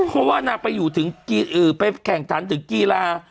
เพราะว่านางไปอยู่ถึงไปแข่งขันถึงกีฬา